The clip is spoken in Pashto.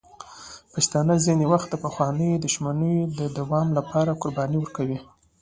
پښتانه ځینې وخت د پخوانیو دښمنیو د دوام لپاره قربانۍ ورکوي.